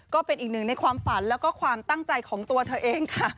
ก็เป็นอีกหนึ่งในความฝันแล้วก็ความตั้งใจของตัวเธอเองค่ะ